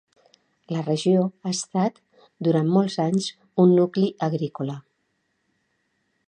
La regió ha estat, durant molts anys, un nucli agrícola.